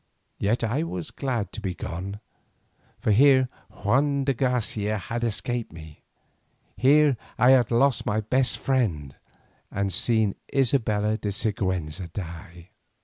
Yet I was glad to be gone, for here Juan de Garcia had escaped me, here I had lost my best friend and seen Isabella de Siguenza die.